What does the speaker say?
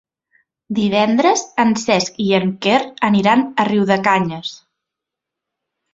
Divendres en Cesc i en Quer aniran a Riudecanyes.